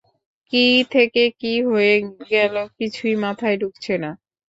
কী থেকে কী হয়ে গেল কিছুই মাথায় ঢুকছে না।